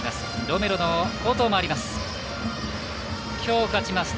ロメロの好投もあります。